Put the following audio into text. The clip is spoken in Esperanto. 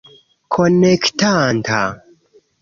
Konektanta